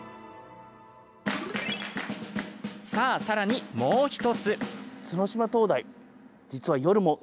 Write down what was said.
さあ、さらに、もう１つ。